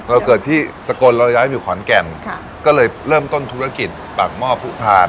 เกิดที่สกลเราย้ายอยู่ขอนแก่นค่ะก็เลยเริ่มต้นธุรกิจปากหม้อผู้ทาน